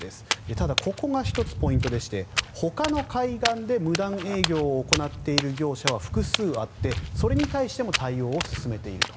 ただ、ここが１つポイントでしてほかの海岸で無断営業を行っている業者は複数あってそれに対しても対応を進めていると。